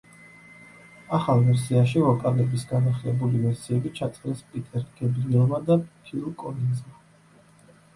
ახალ ვერსიაში ვოკალების განახლებული ვერსიები ჩაწერეს პიტერ გებრიელმა და ფილ კოლინზმა.